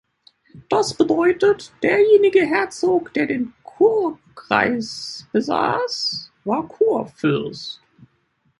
Das bedeutet, derjenige Herzog, der den Kurkreis besaß, war Kurfürst.